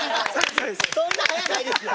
そんな早ないですよ。